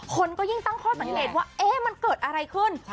คนก็ยิ่งตั้งข้อสังเกตว่ามันเกิดอะไรขึ้น